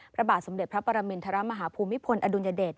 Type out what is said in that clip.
ประบาทสมเด็จพระประม่ามิรภูมิพลอดุญเดรท